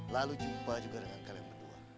lalu jumpa juga dengan kalian berdua